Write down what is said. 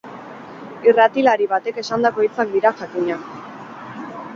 Irratilari batek esandako hitzak dira, jakina.